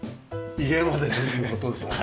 家までという事ですもんね。